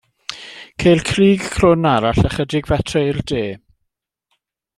Ceir crug crwn arall ychydig fetrau i'r de.